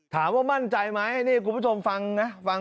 ถามว่ามั่นใจไหมนี่คุณผู้ชมฟังนะฟัง